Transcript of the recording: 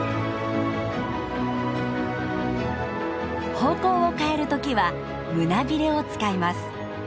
方向を変える時は胸びれを使います。